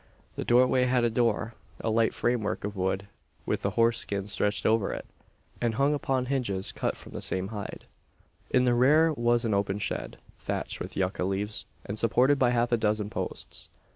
The doorway had a door, a light framework of wood, with a horse skin stretched over it, and hung upon hinges cut from the same hide. In the rear was an open shed, thatched with yucca leaves, and supported by half a dozen posts.